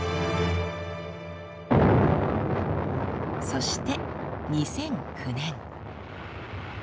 そして２００９年。